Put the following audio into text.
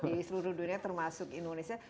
di seluruh dunia termasuk indonesia